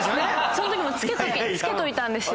そのときもつけといたんですよ。